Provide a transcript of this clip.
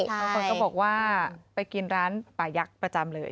บางคนก็บอกว่าไปกินร้านป่ายักษ์ประจำเลย